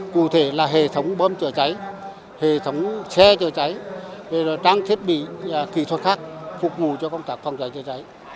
cụ thể là hệ thống bơm chữa cháy hệ thống xe chữa cháy trang thiết bị kỹ thuật khác phục vụ cho công tác phòng cháy chữa cháy